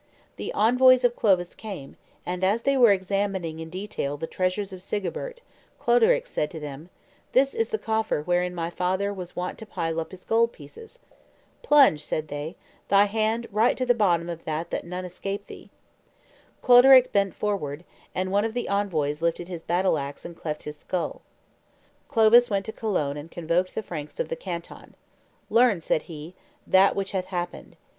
The envoys of Clovis came, and, as they were examining in detail the treasures of Sigebert, Cloderic said to them, "This is the coffer wherein my father was wont to pile up his gold pieces." "Plunge," said they, "thy hand right to the bottom that none escape thee." Cloderic bent forward, and one of the envoys lifted his battle axe and cleft his skull. Clovis went to Cologne and convoked the Franks of the canton. "Learn," said he, "that which hath happened.